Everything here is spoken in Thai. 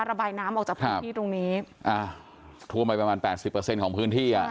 ระบายน้ำออกจากพื้นที่ตรงนี้อ่าท่วมไปประมาณแปดสิบเปอร์เซ็นต์ของพื้นที่อ่ะ